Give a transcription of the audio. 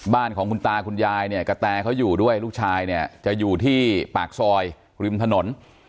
บ้านของคุณตาคุณยายเนี่ยกระแตเขาอยู่ด้วยลูกชายเนี่ยจะอยู่ที่ปากซอยริมถนน